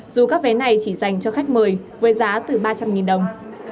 dù các vé này chỉ dành cho khách mời với giá từ ba trăm linh đồng